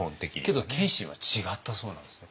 けど謙信は違ったそうなんですね。